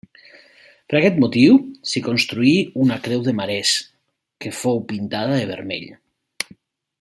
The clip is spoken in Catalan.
Per aquest motiu s'hi construí una creu de marès, que fou pintada de vermell.